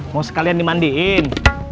mau sekalian dimandiin